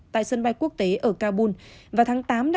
tại sân bay quốc tế ở kabul vào tháng tám năm hai nghìn hai mươi